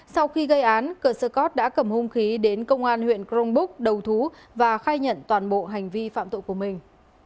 sau khi gây án cờ sơ cót đã cầm hung khí đến công an huyện crong búc đầu thú và khai nhận toàn bộ hành vi phạm tội của mình